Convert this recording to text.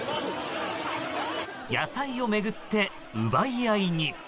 野菜を巡って奪い合いに。